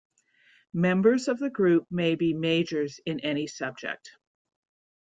Members of the group may be majors in any subject.